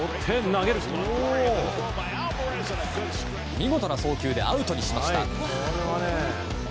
見事な送球でアウトにしました。